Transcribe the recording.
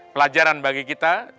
pelajaran bagi kita